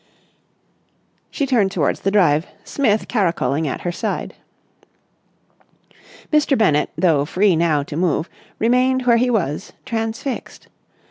She turned towards the drive, Smith caracoling at her side. Mr. Bennett, though free now to move, remained where he was, transfixed.